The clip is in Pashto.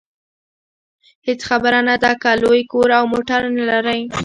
هېڅ خبره نه ده که لوی کور او موټر نلرئ.